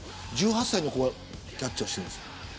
１８歳の子がキャッチャーしてるんですよ。